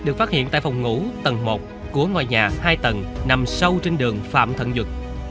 được phát hiện tại phòng ngủ tầng một của ngôi nhà hai tầng nằm sâu trên đường phạm thận duật